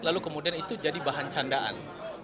lalu kemudian itu jadi bahan candaan